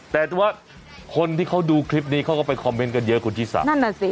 แต่ว่าคนที่เขาดูคลิปนี้เขาก็ไปคอมเมนต์กันเยอะคุณชิสานั่นน่ะสิ